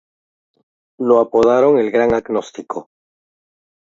Lo apodaron "El Gran Agnóstico".